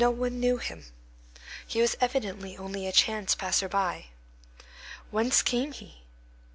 No one knew him. He was evidently only a chance passer by. Whence came he?